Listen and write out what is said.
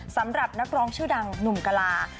สำหรับนักร้องชื่อดังหนุ่มกะลา